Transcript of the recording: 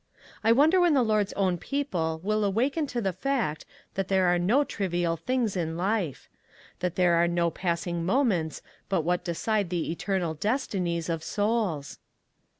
I wonder when the Lord's own people will awaken to the fact that there are no trivial things in. life? — that there are no passing moments but what decide the eternal destinies of souls?